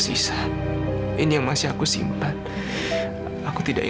terima kasih aida